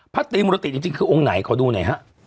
ตรีมุรติจริงคือองค์ไหนขอดูหน่อยฮะ